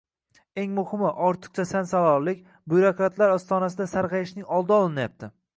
Eng muhimi, ortiqcha sansalorlik, byurokratlar ostonasida sargʻayishning oldi olinyapti.